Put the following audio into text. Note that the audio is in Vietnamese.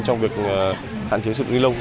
trong việc hạn chế sự linh lông